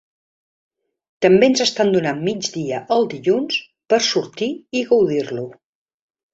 També ens estan donant mig dia el dilluns per sortir i gaudir-lo.